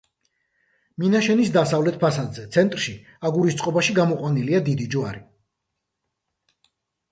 მინაშენის დასავლეთ ფასადზე, ცენტრში აგურის წყობაში გამოყვანილია დიდი ჯვარი.